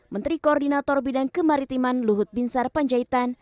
menteri koordinator bidang kemaritiman luhut binsar panjaitan